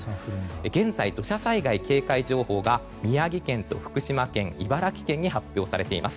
現在、土砂災害警戒情報が宮城県と福島県茨城県に発表されています。